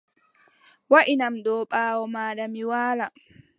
Waʼinam dow ɓaawo maaɗa mi waala.